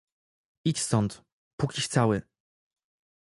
"Idź stąd, pókiś cały!"